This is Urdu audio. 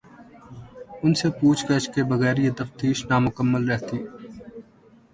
ان سے پوچھ گچھ کے بغیر یہ تفتیش نامکمل رہتی۔